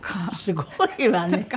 すごいわね。